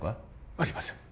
ありません